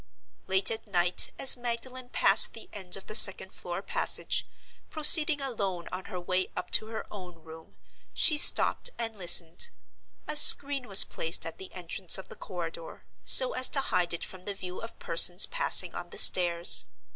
Late at night, as Magdalen passed the end of the second floor passage, proceeding alone on her way up to her own room, she stopped and listened. A screen was placed at the entrance of the corridor, so as to hide it from the view of persons passing on the stairs.